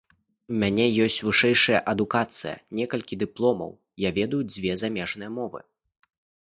У мяне ёсць вышэйшая адукацыя, некалькі дыпломаў, я ведаю дзве замежныя мовы.